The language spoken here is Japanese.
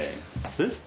えっ？